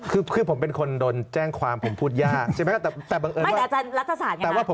คือผมเป็นคนโดนแจ้งความผมพูดยาก